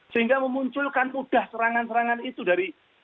sehingga memunculkan udah serangan serangan itu dari